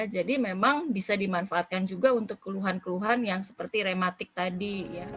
jadi memang bisa dimanfaatkan juga untuk keluhan keluhan yang seperti rematik tadi